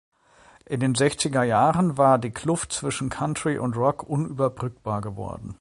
In den sechziger Jahren war die Kluft zwischen Country und Rock unüberbrückbar geworden.